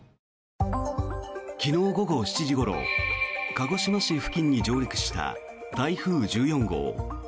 昨日午後７時ごろ鹿児島市付近に上陸した台風１４号。